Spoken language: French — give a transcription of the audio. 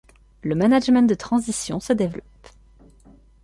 Le management de transition se développe.